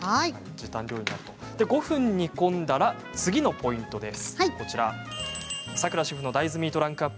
５分煮込んだら次のポイントです。